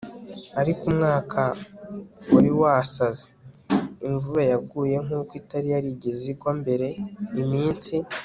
ariko umwaka wari wasaze. imvura yaguye nkuko itari yarigeze igwa mbere. iminsi